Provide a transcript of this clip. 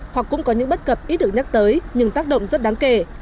hoặc cũng có những bất cập ít được nhắc tới nhưng tác động rất đáng kể